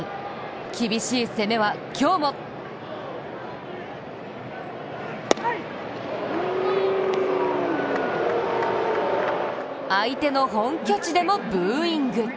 厳しい攻めは今日も相手の本拠地でもブーイング。